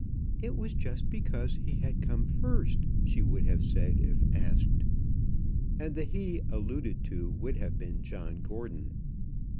"It was just because he had come first," she would have said if asked. And the "he" alluded to would have been John Gordon.